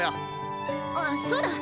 あそうだ！